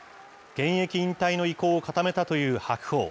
現役引退の意向を固めたという白鵬。